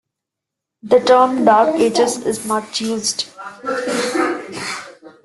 The term 'Dark Ages' is much used.